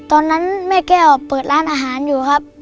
ตอนนั้นแม่แก้วเปิดร้านอาหารอยู่ครับ